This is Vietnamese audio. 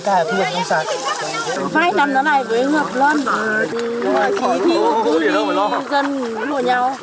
phải làm nó lại với hợp luân không phải chỉ thí hợp với dân lộ nhau